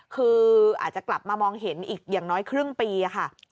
คืออาจจะกลับมามองเห็นอีกอย่างน้อยครึ่งปีค่ะ